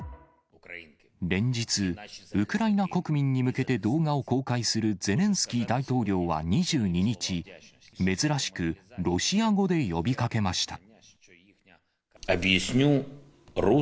連日、ウクライナ国民に向けて動画を公開するゼレンスキー大統領は２２日、珍しくロシア語で呼びかけました。